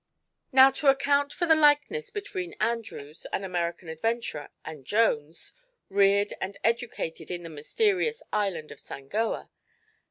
"Now, to account for the likeness between Andrews, an American adventurer, and Jones, reared and educated in the mysterious island of Sangoa.